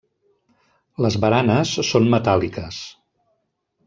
Les baranes són metàl·liques.